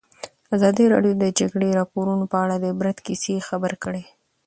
ازادي راډیو د د جګړې راپورونه په اړه د عبرت کیسې خبر کړي.